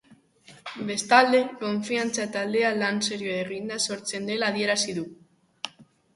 Bestalde, konfiantza taldean lan serioa eginda sortzen dela adierazi du.